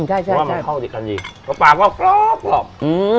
ใช่ใช่ใช่เพราะว่ามันเข้าดีกันดีเพราะปลาก็กรอบกรอบอืม